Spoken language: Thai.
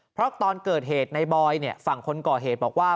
เพราะตอนเกิดเหตุในบอยฝั่งคนก่อเหตุบอกว่า